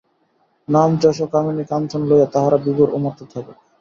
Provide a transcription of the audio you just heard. নাম, যশ ও কামিনী-কাঞ্চন লইয়া তাহারা বিভোর ও মত্ত থাকুক।